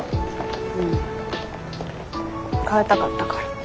うん変えたかったから。